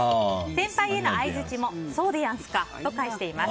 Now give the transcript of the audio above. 先輩への相づちもそうでやんすかと返しています。